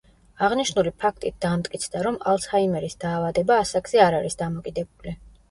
აღნიშნული ფაქტით დამტკიცდა, რომ ალცჰაიმერის დაავადება ასაკზე არ არის დამოკიდებული.